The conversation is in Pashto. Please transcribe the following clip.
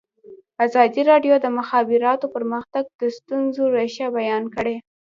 ازادي راډیو د د مخابراتو پرمختګ د ستونزو رېښه بیان کړې.